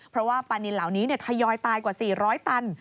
เพราะว่าปลานินเหล่านี้ทยอยตายกว่า๔๐๐ตัน